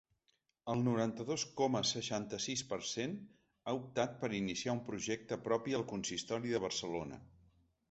El noranta-dos coma seixanta-sis per cent ha optat per iniciar un projecte propi al consistori de Barcelona.